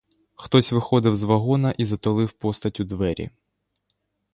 Хтось виходив з вагона і затулив постаттю двері.